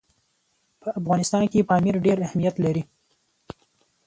په افغانستان کې پامیر ډېر اهمیت لري.